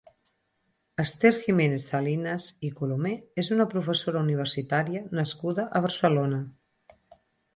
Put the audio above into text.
Esther Giménez-Salinas i Colomer és una professora universitària nascuda a Barcelona.